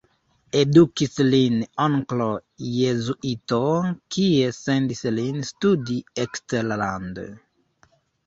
Edukis lin onklo jezuito, kiu sendis lin studi eksterlande.